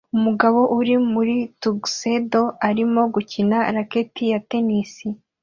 Umugabo uri muri tuxedo arimo gukina racket ya tennis